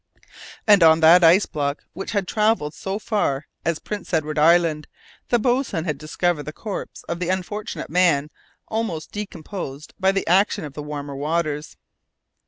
And on that ice block, which had travelled so far as Prince Edward Island, the boatswain had discovered the corpse of the unfortunate man almost decomposed by the action of the warmer waters.